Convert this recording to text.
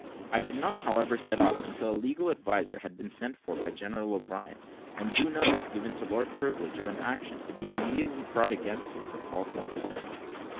I did not, however, set off until a legal adviser had been sent for by General O'Brien; and due notice given to Lord Privilege of an action to be immediately brought against him for false imprisonment.